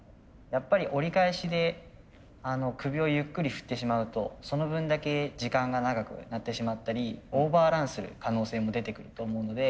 やっぱり折り返しで首をゆっくり振ってしまうとその分だけ時間が長くなってしまったりオーバーランする可能性も出てくると思うので。